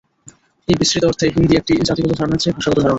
এই বিস্তৃত অর্থে হিন্দি একটি জাতিগত ধারণার চেয়ে ভাষাগত ধারণা।